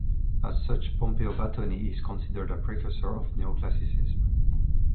As such Pompeo Batoni is considered a precursor of Neoclassicism.